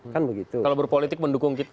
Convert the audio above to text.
kalau berpolitik mendukung